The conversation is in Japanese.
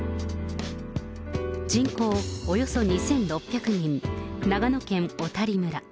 人口およそ２６００人、長野県小谷村。